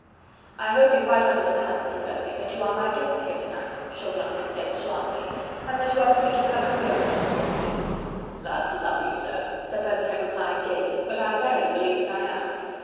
"I hope you quite understand, Sir Percy, that you are my guest here to night," Chauvelin had said suavely, "and that you are free to come and go, just as you please." "Lud love you, sir," Sir Percy had replied gaily, "but I verily believe that I am."